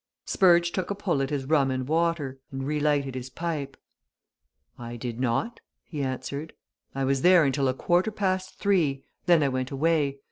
Spurge took a pull at his rum and water, and relighted his pipe. "I did not," he answered. "I was there until a quarter past three then I went away.